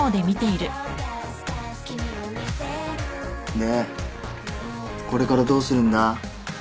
でこれからどうするんだ？